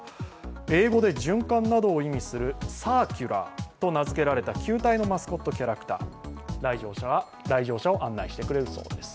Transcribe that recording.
英語で循環などを意味するサーキュラーと名付けられたマスコットが来場者を案内してくれるそうです。